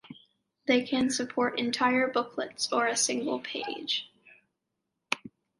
They can support entire booklets or a single page.